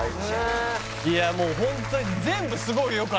いやもうホントに全部すごい良かった。